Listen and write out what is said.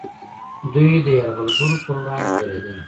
دوی د یرغلګرو پر وړاندې دریدل